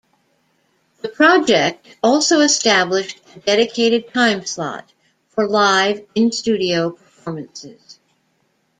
The project also established a dedicated time-slot for live in-studio performances.